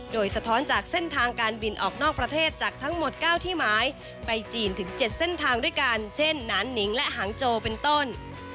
โดยสะท้อนจากเส้นทางการบินออกนอกประเทศจากทั้งหมด๙ที่หมายไปจีนถึง๗เส้นทางด้วยกันเช่นนานนิงและหางโจเป็นต้น